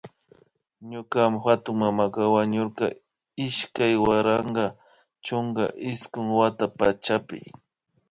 Ñuka hatunmana wañurka iskay waranka chunka iskun wata pachapi